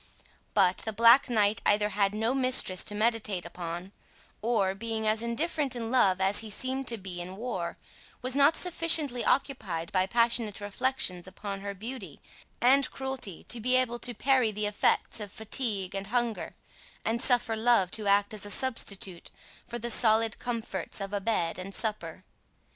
But the Black Knight either had no mistress to meditate upon, or, being as indifferent in love as he seemed to be in war, was not sufficiently occupied by passionate reflections upon her beauty and cruelty, to be able to parry the effects of fatigue and hunger, and suffer love to act as a substitute for the solid comforts of a bed and supper.